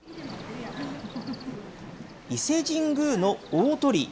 伊勢神宮の大鳥居。